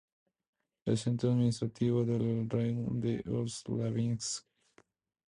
Es centro administrativo del raión de Ust-Labinsk.